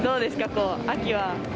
こう、秋は？